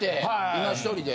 今１人で。